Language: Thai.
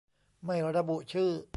ไม่ระบุชื่อ